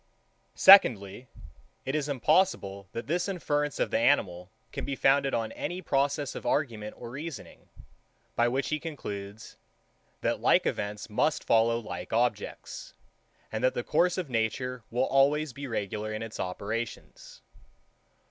84. Secondly, It is impossible, that this inference of the animal can be founded on any process of argument or reasoning, by which he concludes, that like events must follow like objects, and that the course of nature will always be regular in its operations.